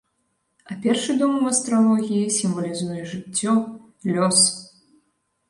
А першы дом у астралогіі сімвалізуе жыццё, лёс.